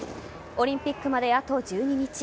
オリンピックまであと１２日。